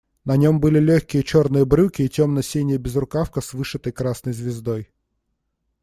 На нем были легкие черные брюки и темно-синяя безрукавка с вышитой красной звездой.